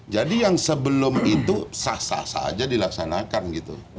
jadi yang sebelum itu sah sah saja dilaksanakan gitu